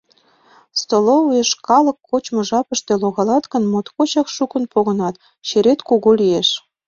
Столовыйыш калык кочмо жапыште логалат гын, моткочак шукын погынат, черет кугу лиеш.